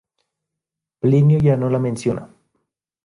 Plinio ya no la menciona.